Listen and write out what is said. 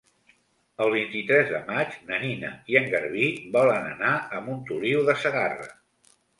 El vint-i-tres de maig na Nina i en Garbí volen anar a Montoliu de Segarra.